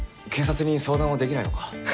警察に相談はできないのか？